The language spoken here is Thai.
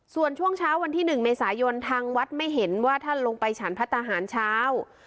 ส่วนช่วงเช้าวันที่๑เมษายนทางวัดไม่เห็นว่าท่านลงไปฉันพระทหารเช้า